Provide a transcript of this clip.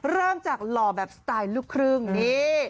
เริ่มจากหล่อแบบสไตล์ลูกครึ่งนี่